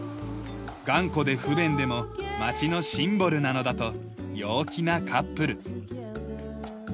頑固で不便でも町のシンボルなのだと陽気なカップル。